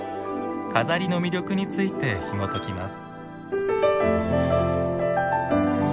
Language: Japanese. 錺の魅力についてひもときます。